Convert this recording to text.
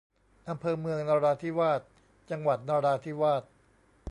อำเภอเมืองนราธิวาส จังหวัดนราธิวาส